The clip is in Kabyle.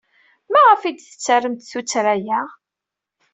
Maɣef ay d-tettremt tuttra-a?